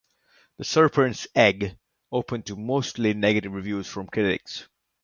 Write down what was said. "The Serpent's Egg" opened to mostly negative reviews from critics.